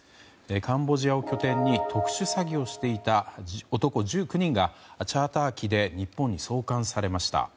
カンボジアを拠点に特殊詐欺をしていた男１９人がチャーター機で日本に送還されました。